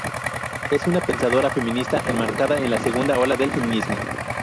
Es una pensadora feminista enmarcada en la Segunda Ola del feminismo.